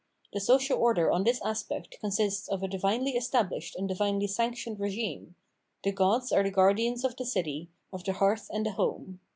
The social order on this aspect consists of a divinely established and divinely sanctioned regime; the gods are the guardians of the city, of the hearth and the home.